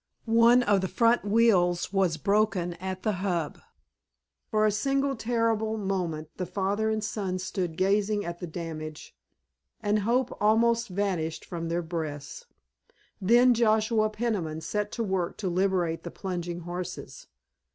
One of the front wheels was broken at the hub. For a single terrible moment the father and son stood gazing at the damage, and hope almost vanished from their breasts. Then Joshua Peniman set to work to liberate the plunging horses.